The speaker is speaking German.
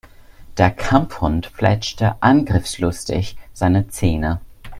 Der Kampfhund fletschte angriffslustig seine Zähne.